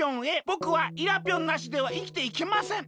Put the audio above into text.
ぼくはイラぴょんなしではいきていけません。